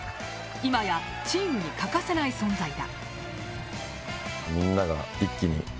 今やチームに欠かせない存在だ。